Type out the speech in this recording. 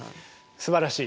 すばらしい。